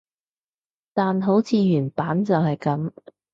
但好似原版就係噉